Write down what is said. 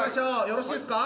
よろしいですか？